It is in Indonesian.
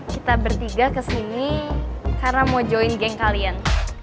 kita bertiga kesini karena mau join geng kalian